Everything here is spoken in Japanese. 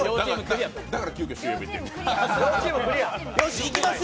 だから急きょＣＭいってる。